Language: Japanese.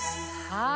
はい。